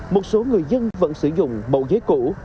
một số người dân vẫn sử dụng mẫu giấy cũ